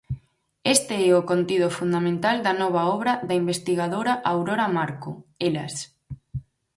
Este é o contido fundamental da nova obra da investigadora Aurora Marco, Elas.